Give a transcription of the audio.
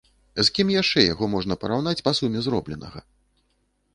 З кім яшчэ яго можна параўнаць па суме зробленага?